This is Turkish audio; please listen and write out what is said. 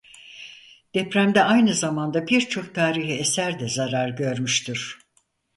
Depremde aynı zamanda birçok tarihi eser de zarar görmüştür.